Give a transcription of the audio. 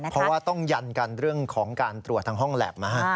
เพราะว่าต้องยันกันเรื่องของการตรวจทางห้องแล็บนะฮะ